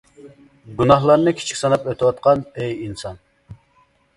گۇناھلارنى كىچىك ساناپ ئۆتۈۋاتقان ئەي ئىنسان!